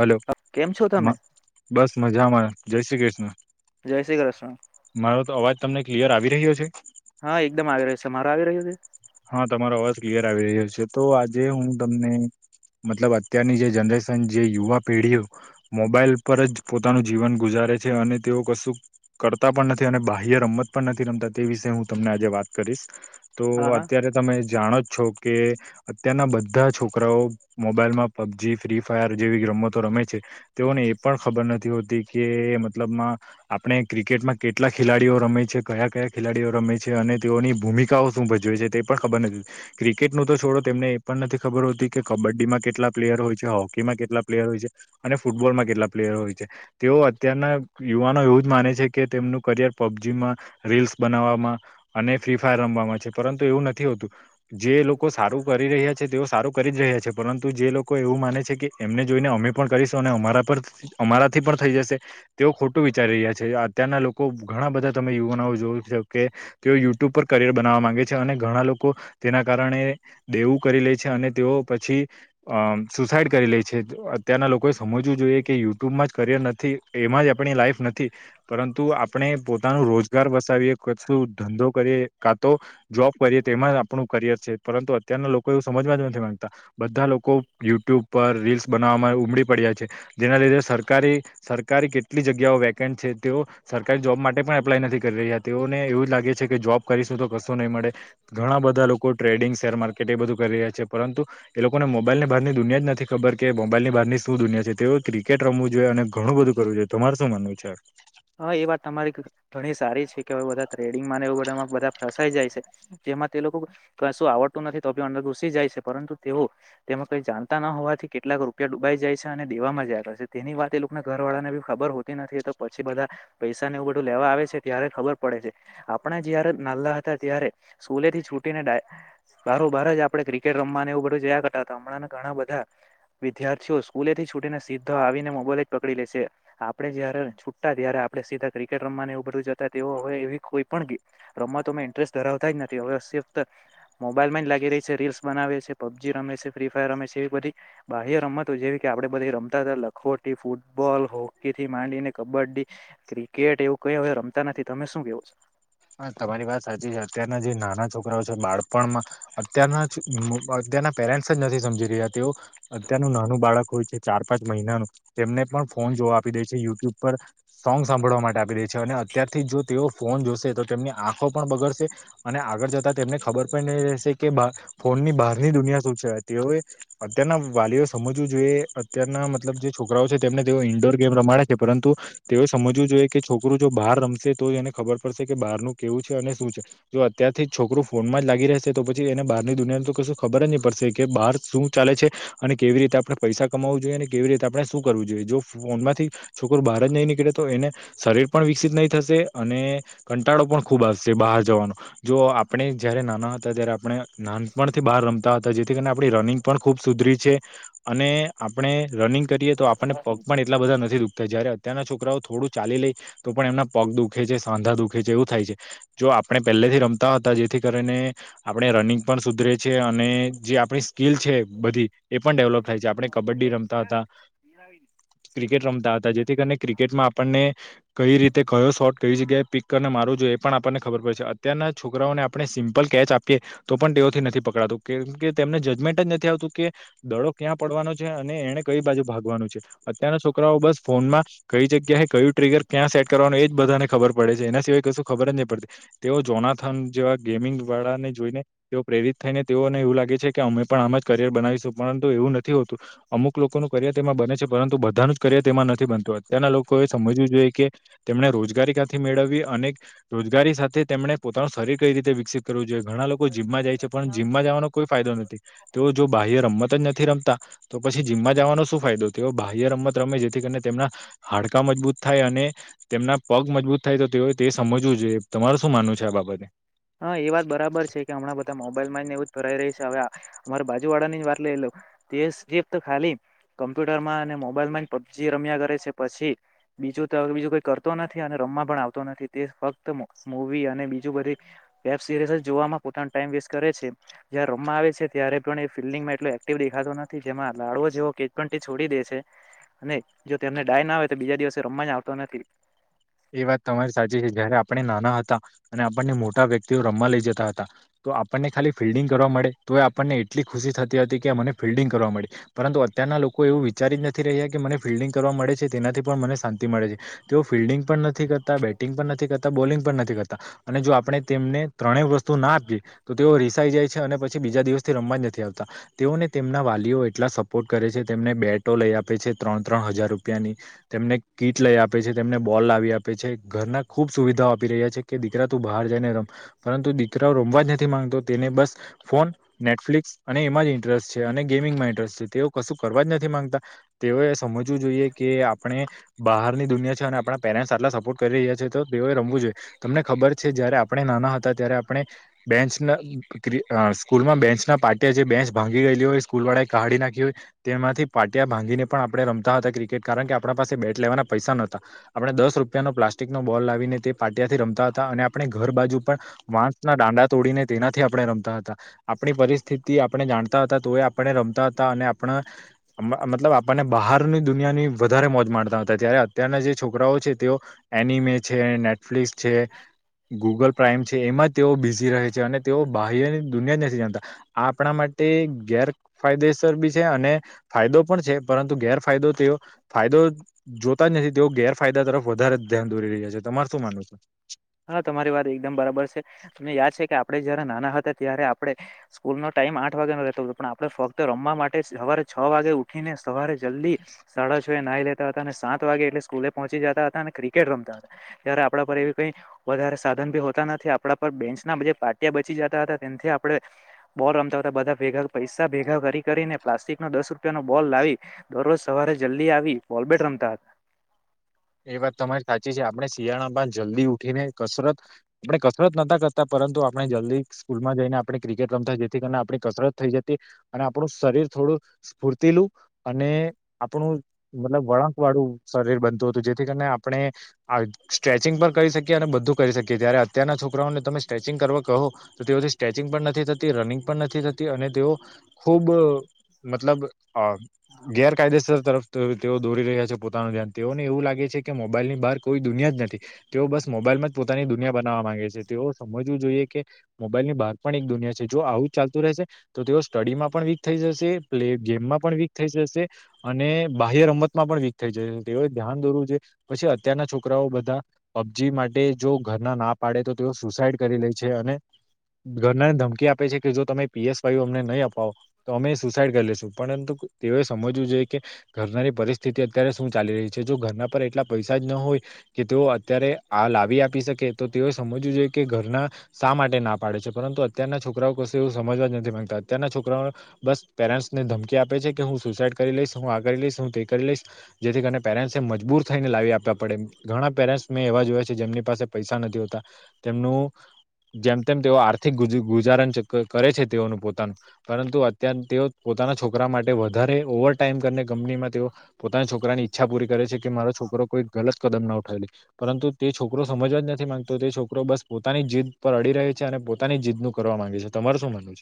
Hello કેમ છો તમે બસ મજામાંમાં જય શ્રી કૃષ્ણ જય શ્રી કૃષ્ણ મારો તો અવાજ તમને ક્લિયર આવી રહ્યો છે? હા એકદમ આવી રહ્યો છે મારો આવી રહ્યો છે હા તમારો અવાજ ક્લિયર આવી રહ્યો છે તો આજે હું તમને મતલબ અત્યારની જે જનરેશન જે યુવા પેઢીઓ મોબાઈલ પર જ પોતાનું જીવન ગુજાર કરે છે અને તેઓ કશું કરતા પણ નથી અને બાહ્ય રમત પણ નથી રમતા તે વિશે હું તમને આજે વાત કરી રિસ્ક તો હા હા આ રિ તમે જાણો છો કે અત્યારના બધા છોકરાઓ મોબાઈલમાં પબજી ફ્રી ફાયર જે વી રમતો રમે છે તેઓને એ પણ ખબર નથી હોતી કે મતલબમાં આપણે ક્રિકેટ માં કેટલા ખેલાડીઓ રમે છે કયા કયા ખેલાડીઓ રમે છે અને તેઓની ભૂમિકાઓ શું ભજવે છે તે તે પણ ખબર નથી ક્રિકેટ ન તો છોડો તેમને એ પણ નથી ખબર હોતી કે કબડ્ડીમાં કેટલા પ્લેયર હોય છે હોકીમાં કેટલા પ્લેયર હોય છે ફૂટબોલ માં કેટલા પ્લેયર હોય છે. તેઓ અત્યારના યુવાનો એવું જ માને છે કે તેમનું િયર પબજી માં રીલ્સ બનાવવામાં અને ફ્રી ફાયર રમવા છે પરંતુ એવું નથી [unintelligible] જે લોકો સારું કરી રહ્યા છે તેઓ સારું કરી જ રહ્યા છે પરંતુ જે લોકો એવું માને છે કે એમ એમને જોઈને અમે પણ કરીશું અને અમારા પર અમારાથી પણ થઈ જશે તેઓ ખોટું વિચારી રહ્યા છે અત્યારે ન લોકો ઘણા બધા તમે યુવાનો જોય કે તે યુટ્યુબ પર કરિયર બનાવામાં માંગે છે અને ઘણા લોકો તેના કારણે દેવું કરી લે છે અને તેઓ પછી સુસાઈડ કરી લે છે અત્યારના લોકોએ સમજવું જોઈએ કે યુટ્યુબમાં જ કરિયર નથી એમાં જ આપણી લાઈફ નથી પરંતુ આપણે પોતાનું રોજગાર વસાવીએ કશું ધંધો કરીએ કા તો જોબ કરીએ. તેમાં આપણું કરિયર છે પરંતુ અત્યારના લોકો એવું સમજવા જ નથી માંગતા. બધા લોકો યુટ્યુબ પર રીલ્સ બનાવવામાં ઉમડી પડ્યા છે જેના લીધે સરકારી સરકારી કેટલી જગ્યાઓ વેકેન્ટ છે તેઓ સરકારી જોબ માટે પણ એપ્લાય નથી કરી રહ્યા તેઓને એવું જ લાગે છે કે જોબ કરીશું તો કશો નહીં મળે. ઘણા બધા લોકો ટ્રેડિંગ શેર માર્કેટ એ બધું કરી રહ્યા છે પરંતુ એ લોકોને મોબ મોબાઈલની બહારની દુનિયા જ નથી ખબર કે મોબાઈલની બહારની શું દુનિયા છે તેઓ ક્રિકેટ રમવું જોઈએ અને ઘણું બધું કરવું જોઈ તમારે શું મલે છે. હા એ વાત તમારી ઘણી સારી છે કે એવું બધા ટ્રેડિંગ એ બધા બધા ફસાઈ જાય છે જેમાં તે લોકો શું આવડતું નથી તો ગુસી જાય છે પરંતુ તેઓ તેમાં કઈ જાણતા ન હોવાથી કેટલાક રૂપિયા ડૂબાઈ જાય છે અને દેવામાં જાય છે. તેની વાત એ લોકોના ઘર વાળા ને બી ખબર હોતી નથી તો પછી પછી બધા પૈસા ને એવું બધું લેવા આવે છે ત્યારે ખબર પડે છે આપણે જયારે નાલા હતા ત્યારે સ્કૂલે થી છૂટી ને બાર બાર જ આપણે ક્રિકેટ રમવા એવું બધું જયા કરતા હતા હમણાં ને ઘણા બધા વિદ્યાર્થીઓ સ્કૂલે થી છૂટીને સીધા આવીને મોબાઈલ જ પકડી લેશે આપડે જયારે ત્યારે આપડે સીધા ક્રિકેટ રમવા એવ બધું જતા તે હવે એવી કોઈ પણ રમવા તો તમે ઇન્ટરેસ્ટ ધરાવતા નથી હવે સ્કીપ કર. મોબાઈલ માં જ લાગી રહી છે, રીલ્સ બનાવે છે, પબજી રમે છે, ફ્રી ફાયર રમે છે, એવી બધી બાહ્ય રમતો જેવી આપડે બધી રમતા હતા લખોટી, ફૂટબોલ, હોકી થી માંડીને કબડ્ડી ક્રિકેટ એવું કઈ હવે રમતા નથી તમે શું કેવો છો? હા તમારી વાત સાચી છે અત્યારના જે નાના છોકરાઓ છે બાળપણમાં અત્યારના. [unintelligible] અત્યારના પેરેન્ટ્સ જ નથી સમજી રીયા તેઓ અત્યારનું નાનું બાળક હોય છે ચાર-પાંચ મહિનાનું તેમને પણ ફોન જોવા આપી દે છે યુટ્યુબ પર સોંગ સાંભળવા માટે આપી દે છે અને અત્યારથી જો તેઓ ફોન જોશે તો તેમની આંખો પણ બગડશે અને આગળ જતા તેમને ખબર પણ નહીં રહેશે કે ફોનની બહારની દુનિયા તેઓએ અત્યારના વાલીઓ સમજવું જોઈએ અત્યારના મતલબ જે છોકરાઓ છે તેમને તેઓ ઇન્ડોર ગેમ રમાડે છે પરંતુ તેઓ સમજવું જોઈએ કે છોકરું જો બહાર રમશે તો એને ખબર પડશે. કે બહારનું કેવું છે અને શું છે. જો અત્યારથી જ છોકરું ફોનમાં જ લાગી રહેશે તો પછી એને બારની દુનિયાનું તો કશું ખ દરે ની પડશે કે બહાર શું ચાલે છે અને કેવી રીતે આપણે પૈસા કમાવું જોઈએ અને કેવી રીતે આપણે શું કરવું જોઈએ. જો ફોનમાંથી છોકરું બહાર જ નહી નીકળે તો એને શરીર પણ વિકસિત નઈ થશે અને કંટાળો પણ ખૂબ આવશે બહાર જવાનો. જો આપણે જયારે નાના હતા ત્યારે આપણે નાનપણથી બહાર રમતા હતા જેથી કરીને આપણી રનિંગ પણ ખૂબ સુધરી છે અને આપણે રનિંગ કરીએ તો આપણને પગ પણ એટલા બધા નથી દુખતા. જયારે અત્યારના છોક કરાઓ થોડું ચાલી લેય તો પણ એમના પગ દુખે છે, સાંધા દુ કઈ જેવું થાય છે જો આપણે પહેલેથી રમતા હતા જેથી કરીને આપણે રનિંગ પણ સુધરે છે અ ને જે આપ આપણી સ્કીલ છે બધી એ પણ ડેવલોપ થાય છે આપણે કબડ્ડી રમતા હતા ક્રિકેટ રમ રમતા હતા છો જેથી કરને ક્રિકેટમાં આપણને કઈ રીતે કયો શોટ કઇ જગ્યાએ પીક મારું જોઈ એ પણ આપણને ખબર પડે છે અત્યારના છોકરાઓને આપણે સિમ્પલ કેચ આપીએ તો પણ તેઓથી નથી પકડાતું કેમ કે તેમને જજમેન્ટ જ નથી આવતું કે દડો ક્યાં પડવાનો છે અને એણે કઈ બાજુ ભાગવાનું છે. અત્યાર ના છોકરાઓ બસ ફોનમાં કઈ જગ્યાએ કયું ટ્રીગર ક્યાં સેટ કરવાનું એ જ બધાને ખબર પડે છે એને તેય કશું ખબર જ નહી પડતી તેઓ જોનાર થન જેવા ગેમિંગ વાળા ને જોઈને તેઓ પ્રેરિત થઈને તેઓને એવું લાગે છે કે અમે પણ આમે જ કરિયર બનાવીશું પણ એવું નથી હોતું અમુક લોકોનું કરિયર તેમાં બને છે પરંતુ બધાનું જ કરિયર તેમાં નથી બનતું ત્યાંના લોકોએ સમજવું જોઈએ કે તેમણે રોજગારી ક્યાંથી મેળવી અને રોજગારી સાથે તેમણે પોતાનું શરીર કઈ રીતે વિકસિત કરવું જોઈએ ઘણા લોકો જીમમાં જાય છે પણ જીમમાં જવાનો કોઈ ફાયદો નથી તેઓ જો બાહ્ય રમત જ નથી રમતા તો પછી જીમમાં જવાનો શું ફાયદો તેઓ બાહ્ય રમત રમે જેથી કરીને તેમના હાડકા મજબૂત થાય અને તેમના પગ મજબૂત થાય તો તેઓ તે સમજવું જોઈએ તમારું શું માનવું છે આ બાબત હા એ વાત બરાબર છે કે હમણાં બધા મોબાઈલ માં ને એવું ભરાઈ રહી છે હવે અમારા બાજુ વાળાની વાત લઈ લો તે સ્કેફ્ટ ખાલી કમ્પ્યુટર માં અને મોબાઈલ માં જ પબજી રમ્યા કરે છે પછી બીજું તો બીજું કોઈ કરતો નથી અને રમવા પણ આવતો નથી તે ફક્ત મુવી અને બીજું બધી વેબ સિરીઝ જોવામાં પોતાનો ટાઈમ વેસ્ટ કરે છે જ્યાં રમવા આવે છે ત્યા રે પણ એ ફિલ્ડંગમાં એટલો એક્ટિવ દેખાતો નથી જેમાં લાડવો જેવો કેચ પણ તે છોડી દે છે. અને જો તેમને ડાય ના હોય તો બીજા દિવસે રમવા જ આવતો નથી. એ વાત તમારી સાચી છે જયારે આપણે નાના હતા અને આપણને મોટા વ્યક્તિઓ રમવા લઈ જતા હતા તો આપણને ખાલી ફિલ્ડિંગ કરવા મળે તો એ આપણને એટલી ખુશી થતી હતી કે મને ફિલ્ડિંગ કરવા મળી પરંતુ અત્યારે ના લોકો એવું વિચારી જ નથી રહ્યા કે મને ફિલ્ડિંગ કરવા મળે છે તેનાથી પણ મને શાંતિ મળે છે તેઓ ફિલ્ડિંગ નથી કરતા બેટિંગ પણ નથી કરતા બોલિંગ પણ નથી કરતા અને જો આપણે તેમને ત્રણેય વસ્તુ ના આપીએ તો તેઓ રીસાઈ જાય છે અને પછી બીજા દિવસથી રમવા જ નથી આવતા તેઓને તેમના વાલીઓ એટલા સપોર્ટ કરે છે તેમને બેટો લઈ આપે છે ત્રણ ત્રણ હજાર રૂપિયાની તેમને કીટ લઈ આપે છે તેમને બોલ લાવી આપે છે ઘરના ખુબ સુવિધાઓ આપી રહ્યા છે કે દીકરા તું બહાર જાય ને રમ પરંતુ દીકરાઓ ર મવા જ નથી માંગતો તેને બસ ફોન નેટફ્લિકસ અને એમાં જ ઇન્ટરેસ્ટ છે અને ગેમિંગમાં ઇન્ટરેસ્ટ છે તે કશું કરવા જ નથી માંગતા તેઓએ સમજવું જોઈએ કે આપણે બહારની દુનિયા છે અને આપણા પેરેન્ટ્સ આટલા સપોર્ટ કરી રહ્યા છે તો એઓએ રમવું જોઈએ તમને ખબર છે જયારે આપણે નાના હતા ત્યારે આપણે બેન્ચના સ્કૂલમાં બેન્ચના પાટ ટીયા જે બેંચ ભાંગી ગયેલી હોય સ્કૂલ વાળા કાઢી નાખી હોય તેમાંથી પાટિયા ભાંગીને પણ આપણે રમ તા હતા ક્રિકેટ કારણ કે આપણા પાસે બેટ લેવાના પૈસા નોતા આપણે દસ રૂપિયા નો પ્લાસ્ટિક નો બોલ લાવીને તે પાટિયાથી રમતા હતા અને આપણે ઘર બાજુ પણ વાંસ ના ડા ડા તોડીને તેનાથી આપણે રમતા હતા આપણી પરિસ્થિતિ આપણે જાણતા હતા તો એ આપણે રમતા હતા અને આપણા મ મતલબ આપ પણને બહારની દુનિયાની વધારે મોજ માણતા હતા જ્યારે અત્યારના જે છોકરાઓ છે તેઓ એનિમે છે નેટફ્લિકસ છે. ગૂગલ પ્રાાઈમ છે એમાં જ તેઓ બિઝી રહે છે અને તેઓ બાહ્યની દુનિયા જ નથી જાણતા આ આપણા માટ ટે ગેરફાયદેસર બી છે અને ફાયદો પણ છે પરંતુ ગેરફાયદો તેઓ ફાયદો જોતા જ નથી તેઓ ગેરફાયદા તરફ વધારે ધ્યાન દોર રી છે તમાર શું માનવું છે. હા તમારી વાત એકદમ બરાબર છે તમને યાદ છે કે આપડે જયારે નાના હતા ત્યારે આપણે સ્કૂલ નો ટ ટાઇમ આઠ વાગે ન રહેતો પણ આપણે ફક્ત રમવા માટે સવારે છ વાગે ઉઠીને સવારે જલ્દી સાડા નાઈ લેતા હતા અને સાત વાગે એટલે સ્કૂલે પહોંચી જતા હતા અને ક્રિકેટ રમતા હતા ત્યારે આપણા પર એ કે વધારે સાધન ભી હોતા નથી આપણા પર બેન્ચના પાટિયા બચી જતા હતા તેથી આપણે બોલ રમતાવતા બધા ભેગા પૈસા ભેગા કરીને પ્લાસ્ટિક નો દસ રૂપિયાનોો બોલ લાવી દરરોજ સવારે જલ્દી આવી વોલબેટ રમતા હતા એ વાત તમારી સાચી છે આપણે જ શિયાણા બા જલ્દી ઉઠીને કસરત આપણે કસરત નતા કરતા પરંતુ આપણે જલ્દી સ્કૂલમાં જઈને ્ર આપણે કિકેટ રમતા જેથી આપણી કસરત થઈ જતી અને આપણું શરીર થોડું સ્ફૂર્તિલું અને ને આપણું મતલબ વળાંક વાળું શરીર બનતું હતું જેથી કરીને આપણે સ્ટ્રેચિંગ પણ કરી શકીએ અને બધું કરી શકીએ ત્યારે અત્યારના છોકરાઓને તમે સચિંગ કરવા કહો તો તેઓથી સ્ટ્રેચિંગ પણ નથી થતી રનિંગ પણ નથી થતી અને તેઓ ખુબ મતલબ અ ગેરકાયદેસર તરફ તેઓ દોરી રહ્યા છે પોતાનું ધ્યાન તેઓ એવું લાગે છે કે મોબાઈલ ની બહાર કોઈ દુનિયા જ નથી તેઓ બસ મોબાઈલમાં જ પોતાની દુનિયા બનાવવા માંગે છે તેઓ સમજવું જોઈએ કે મોબાઈલની ભાગ પણ એક દુનિયા છે જો આવું ચાલતું રહેશે તો તેઓ સ્ટડી માં પણ વીક થઈ પ્લે ગેમમાં પણ વીક થઈ જશે અને બાહ્ય રમતમાં પણ વીક થઈ જશે તે ધ્યાન દોરવુંઈએ પછી અત્યારના છોકરાઓ બધા પબજી માટે જો ઘરના ના પાડે તો તેઓ સુસાઈડ કરી લે છે અને ઘરનાને ધમકી આપે છે કે જો તમે પીએસ વાયુ અમને નહી અપાવો તો અમે સુસાઈડ કરી લેશું પરંતુ તેઓએ સમજવું જોઈએ કે ઘરનારી પરિસ્થિતિ અત્યારે શું ચાલી રહી છે જો ઘરના પર એટલા પૈસા જ ન હોય કે અત્યારે આ લાવી આપી શકે તો તેઓએ સમજવું જોઈએ કે ઘરના શા માટે ના પાડે છે પરંતુ અત્યારના છોકરાઓ ક એવું સમજવા જ નથી માંગતા અત્યારના છોકરાઓ બસ પેરેન્ટ્સ ને ધમકી આપે છે કે હું સુસાઈડ કરી લઈશ હું આ કરી લઈશ હું તે કરી લઈશ જેથી પેરેન્ટ્સ મજબૂર થઈને લાવી આપ્યા પડે ઘણા પેરેન્ટ્સ મેં એવા જોયા છે જેમની પાસે પૈસા નથી હોતા. તેમનું જેમ તેમ તેઓ આર્થિક ગુજ ગુજારન કરે છે તેઓનું પોતાનું પરંતુ અત્યાર તેઓ પોતાના છોકરા માટે વધારે ઓવર ઓવર ટાઈમ કંપનીમાં તેઓ પોતાના છોકરાની ઈચ્છા પૂરી કરે છે કે મારો છોકરો કોઈ ગલત કદમ ન ઉઠાવેલી પરંતુ તે છોકરો સમજવા જ નથી માંગતો તે છોકરો બસ પોતાની જીદ પર અડી રહેહી છે અને પોતાની જીદનું કરવા માંગે છે તમાર શું માનવું છે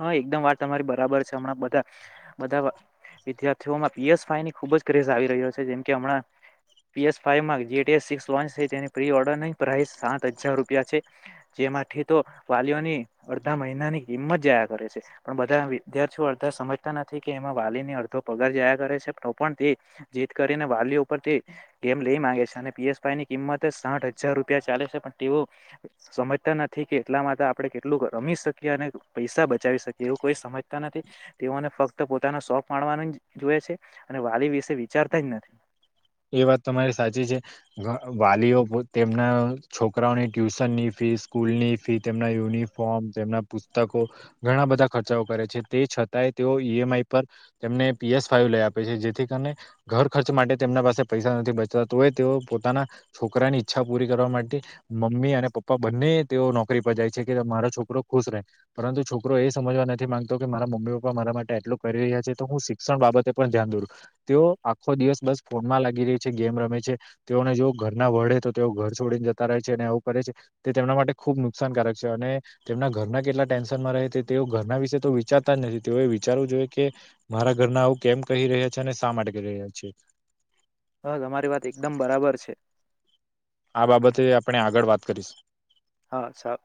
હા એકદમ વાત તમારી બરાબર છે હમણાં બધા બધા વિદ્યાર્થીઓમાં પીએસ ફાઈની ખુબ જ ક્રેઝ આવી રહ્યો છે જેમ કે હમણાં પીસ ફ જે સિક્સ વન છે તેની પ્રી ઓર્ડરની પ્રાઇસ સાત હજાર રૂપિયા છે. માંથી તો વાલીઓની અડધા મહિનાની કિંમત જયા કરે છે પણ બધા વિદ્યાર્થીઓ અડધા સમજતા નથી કે એમાં વાલીની પગાર જયા કરે છે તો પણ જીત કરીને વાલી ઉપરથી ગેમ લઈ માંગે છે અને પીએસ ની કિંમત સાઠ હજાર રૂપિયા ચાલે છે પણ તેવું સમજતા નથી કે એટલા માટે આપણે એટલું રમી શકીએ અને પૈસા બચાવી શકીએ એવું કોઈ સમજતા નથી તેઓને ફક્ત પોતાના શોપ મા જોએ છે અને વાલી વિશે વિચારતા જ નથી. એ વાત તમારી સાચી છે વાલીઓ તેમના છોકરાઓની ટ્યુશનની ફી સ્કૂલની ફી તેમના યુનિફોર્મ તેમના પુસ્તકો ઘણા બધા ખર્ચા કરે છે તે તે ઈમએઆઈ પર તેમને પીએસ ફાઈવ લઈ આપે છે જેથી કરીને ઘર ખર્ચ માટે તેમના પાસે પૈસા નથી બચતા તો એ તેઓ પોતાના છોકરા ની ઈચ્છા પૂરી કરવા માટે મમ્મી અને પા પ્પા બંને તેઓ નોકરી પર જાય છે કે મારો છોકરો ખુશ રહે પરંતુ છોકરો એ સમજવા નથી માંગતો કે મારા મમ્મી પપ્પા મારા માટે આટલું કરી રહ્યા છે તો હું શિક્ષણ બાબતે પણ ધ્યાન દોરું છું તેઓ આખો દિવસ બસ ફોનમાં લાગી રહી છે ગેમ રમે છે તેઓને જો ઘરના વડે તો તેઓ ઘર છોડીને જતા રહે છે અને આવું કરે છે. તે તેમના માટે ખૂબ નુકસાનકારક છે અને તેમના ઘરના કેટલા ટેન્શનમાં રહે તેઓ ઘરના વિશે તો વિચાર તા નથી તેઓ વિચારવું જોઈએ કે મારા ઘરના આવું કેમ કહી રહ્યા છે અને શા માટે કહી રહ્યા છે. હ તમારી વાત એકદમ બરાબર છે આ બાબતે આપણે આગળ વાત કરીશુ. હા સા